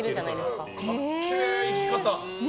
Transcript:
かっけえ生き方！